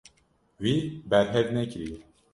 Wî berhev nekiriye.